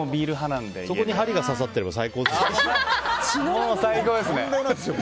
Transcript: そこにはりが刺さってればもう、最高ですね。